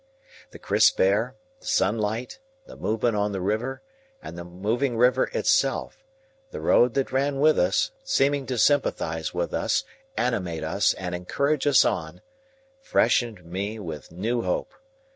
The crisp air, the sunlight, the movement on the river, and the moving river itself,—the road that ran with us, seeming to sympathise with us, animate us, and encourage us on,—freshened me with new hope.